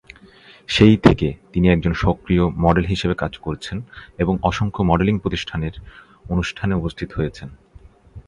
সেই থেকে, তিনি একজন সক্রিয় মডেল হিসেবে কাজ করছেন এবং অসংখ্য মডেলিং প্রতিষ্ঠানের অনুষ্ঠানে উপস্থিত হয়েছেন।